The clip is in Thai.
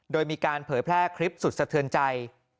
โดยมีการเผยแพร่คลิปสุดสะเทือนใจ